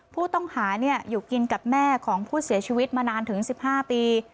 ผู้ต้องหาอยู่กินกับแม่ของผู้เสียชีวิตมานานถึง๑๕ปี